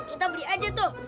kita beli aja tuh